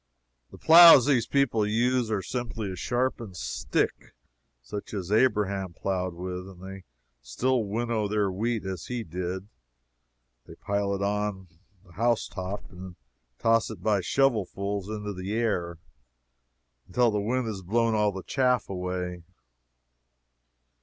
The plows these people use are simply a sharpened stick, such as Abraham plowed with, and they still winnow their wheat as he did they pile it on the house top, and then toss it by shovel fulls into the air until the wind has blown all the chaff away.